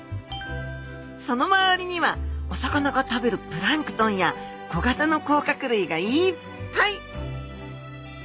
その周りにはお魚が食べるプランクトンや小型の甲殻類がいっぱい！